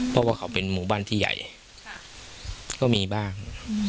เพราะว่าเขาเป็นหมู่บ้านที่ใหญ่ก็มีบ้าง